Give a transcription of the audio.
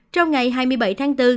trong ngày hai mươi bảy tháng bốn